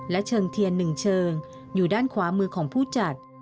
และเชิงเทียน๑เชิงอยู่ด้านขวามือของผู้จัด